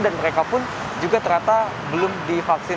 dan mereka pun juga ternyata belum divaksin